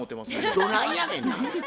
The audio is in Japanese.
どないやねんな。